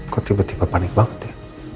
kok tiba tiba panik banget ya